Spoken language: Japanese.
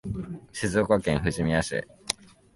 静岡県富士宮市